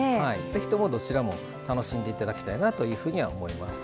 是非ともどちらも楽しんで頂きたいなというふうには思います。